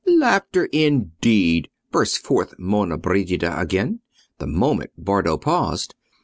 "Laughter, indeed!" burst forth Monna Brigida again, the moment, Bardo paused.